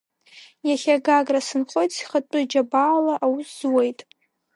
Иахьа Гагра сынхоит, схатәы џьабаала аус зуеит.